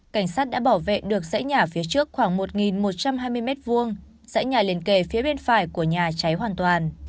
cảnh sát đã bảo vệ được dãy nhà phía trước khoảng một một trăm hai mươi m hai dãy nhà liền kề phía bên phải của nhà cháy hoàn toàn